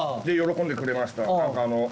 で喜んでくれました。